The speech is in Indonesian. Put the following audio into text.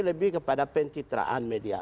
lebih kepada pencitraan media